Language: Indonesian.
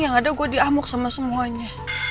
yang ada gue diamuk sama semuanya